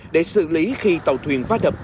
để xử lý khi tàu thuyền vá đập